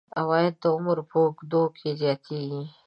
عواید د عمر په اوږدو کې زیاتیږي.